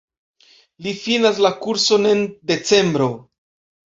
Li finas la kurson en decembro.